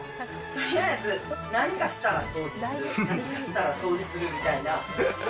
とりあえず何かしたら掃除する、何かしたら掃除するみたいな。